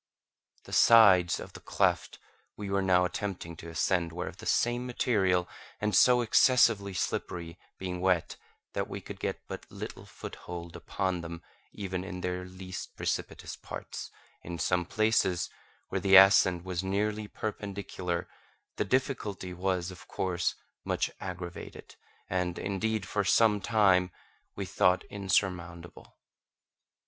The sides of the cleft we were now attempting to ascend were of the same material, and so excessively slippery, being wet, that we could get but little foothold upon them even in their least precipitous parts; in some places, where the ascent was nearly perpendicular, the difficulty was, of course, much aggravated; and, indeed, for some time we thought insurmountable.